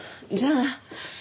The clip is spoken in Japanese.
じゃあ。